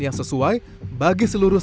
yang sesuai bagi seluruh